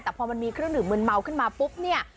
แต่พอมันมีเครื่องดื่มมืนเมาขึ้นมาปุ๊บเนี่ย